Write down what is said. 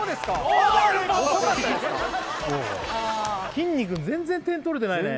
きんに君全然点取れてないね